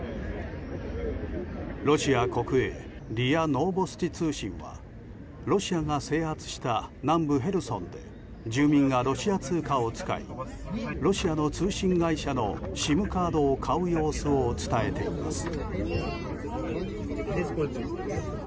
ロシア国営リアノーボスチ通信はロシアが制圧した南部ヘルソンで住民が、ロシア通貨を使いロシアの通信会社のＳＩＭカードを買う様子を伝えています。